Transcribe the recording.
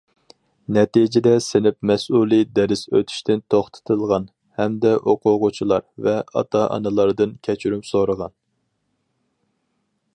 نەتىجىدە سىنىپ مەسئۇلى دەرس ئۆتۈشتىن توختىتىلغان ھەمدە ئوقۇغۇچىلار ۋە ئاتا- ئانىلاردىن كەچۈرۈم سورىغان.